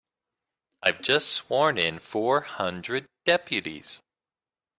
I've just sworn in four hundred deputies.